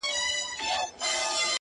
د لباس كيسې عالم وې اورېدلي؛